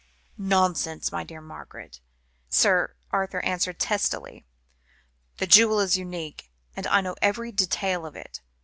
"Nonsense, my dear Margaret," Sir Arthur answered testily. "The jewel is unique, and I know every detail of it.